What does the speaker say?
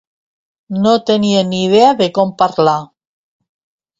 No tenia ni idea de com parlar.